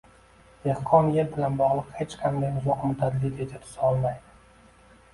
dehqon yer bilan bog‘liq hech qanday uzoq muddatli reja tuza olmaydi